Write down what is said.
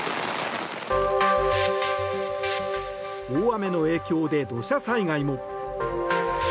大雨の影響で土砂災害も。